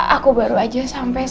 aku baru aja sampe